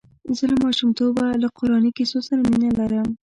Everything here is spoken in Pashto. زه له ماشومتوبه له قراني کیسو سره مینه لرم.